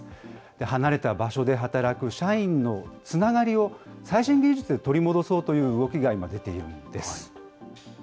離れた場所で働く社員のつながりを最新技術で取り戻そうという動きが今、出ているんです。